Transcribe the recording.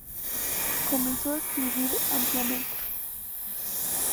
Comenzó a escribir ampliamente.